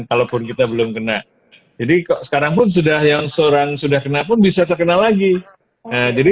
kalaupun kita belum kena jadi kok sekarang pun sudah yang seorang sudah kena pun bisa terkena lagi jadi